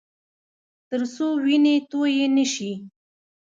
ترڅو وینې تویې نه شي